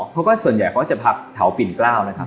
เขาก็ส่วนใหญ่จะพักเถาปิ่นกล้าวนะครับ